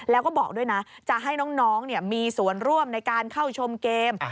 แล้วก็บอกด้วยนะจะให้น้องมีส่วนร่วมในการเข้าชมเกม